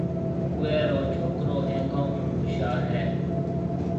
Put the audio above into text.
اُوئي رو ڇوڪرو هيَنگو هون هوشيار هيَ۔